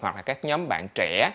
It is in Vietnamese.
hoặc là các nhóm bạn trẻ